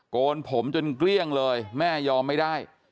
โกนผมจนเกลี้ยงเลยแม่ยอมไม่ได้